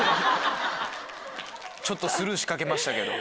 ちょっとスルーしかけましたけど。